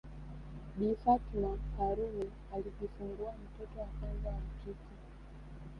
Bi Fatuma Karume alijifungua mtoto wa kwanza wa kike